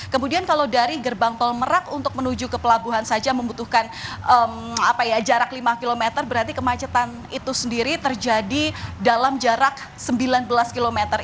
kemudian kalau dari gerbang tol merak untuk menuju ke pelabuhan saja membutuhkan jarak lima km berarti kemacetan itu sendiri terjadi dalam jarak sembilan belas km